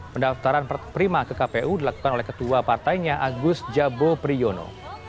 pendaftaran prima ke kpu dilakukan oleh ketua partainya agus jabo priyono